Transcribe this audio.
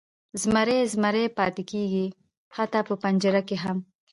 زمری زمری پاتې کیږي، حتی په پنجره کې هم.